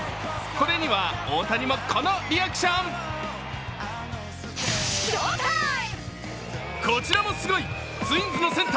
これには大谷もこのリアクション。